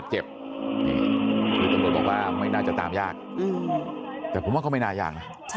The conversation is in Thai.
ใช่ค่ะ